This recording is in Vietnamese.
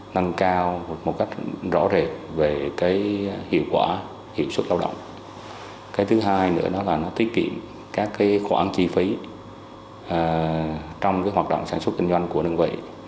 nâng cao một cách rõ rệt về cái hiệu quả hiệu suất lao động cái thứ hai nữa đó là nó tiết kiệm các cái khoản chi phí trong cái hoạt động sản xuất kinh doanh của đơn vị